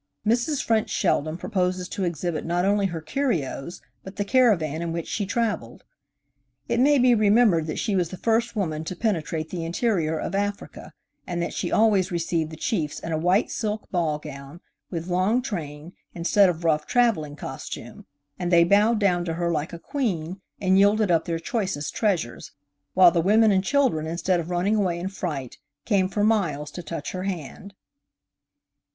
Mrs. French Sheldon proposes to exhibit not only her curios, but the caravan in which she traveled. It may be remembered that she was the first woman to penetrate the interior of Africa, and that she always received the chiefs in a white silk ball gown with long train instead of rough traveling costume, and they bowed down to her like a queen and yielded up their choicest treasures; while the women and children, instead of running away in fright, came for miles to touch her hand.